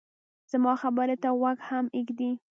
زما خبرې ته غوږ هم ږدې